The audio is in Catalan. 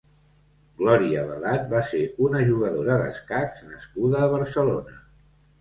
Glòria Velat va ser una jugadora d'escacs nascuda a Barcelona.